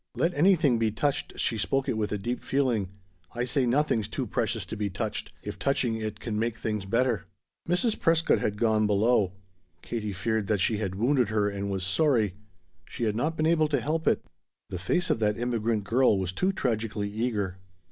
"Let anything be touched," she spoke it with deep feeling. "I say nothing's too precious to be touched if touching it can make things better!" Mrs. Prescott had gone below. Katie feared that she had wounded her, and was sorry. She had not been able to help it. The face of that immigrant girl was too tragically eager.